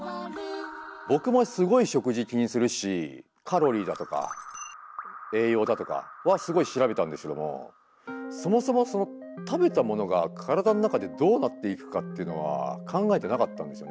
僕もすごい食事気にするしカロリーだとか栄養だとかはすごい調べたんですけどもそもそも食べたものが体の中でどうなっていくかっていうのは考えてなかったんですよね。